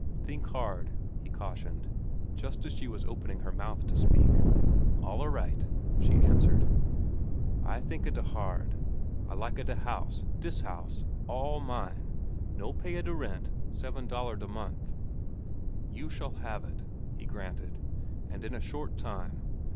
"Think hard," he cautioned, just as she was opening her mouth to speak. "Alla right," she answered. "I thinka da hard. I lika da house, dis house—all mine, no paya da rent, seven dollar da month." "You shall have it," he granted, "and in a short time.